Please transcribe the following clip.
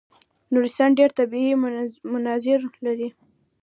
نورستان ډېر طبیعي مناظر لري.